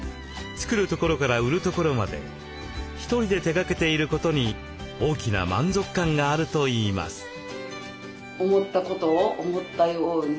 作るところから売るところまで一人で手がけていることに大きな満足感があるといいます。